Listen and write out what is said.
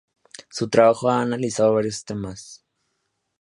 Su trabajo ha analizado varios temas.